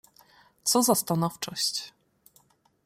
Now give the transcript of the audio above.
"Co za stanowczość!"